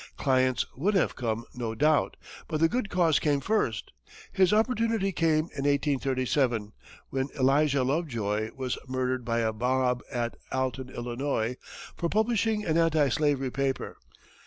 Clients would have come, no doubt, but the good cause came first. His opportunity came in 1837, when Elijah Lovejoy was murdered by a mob at Alton, Illinois, for publishing an anti slavery paper.